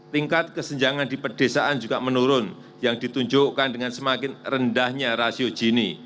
tingkat kesenjangan di pedesaan juga menurun yang ditunjukkan dengan semakin rendahnya rasio gini